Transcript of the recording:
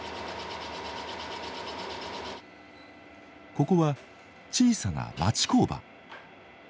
ここは小さな町工場。